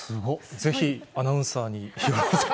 ぜひアナウンサーに。